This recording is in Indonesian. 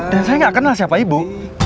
dan saya gak kenal siapa ibu